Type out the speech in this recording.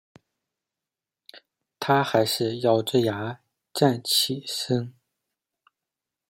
她还是咬著牙站起身